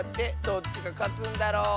どっちがかつんだろ？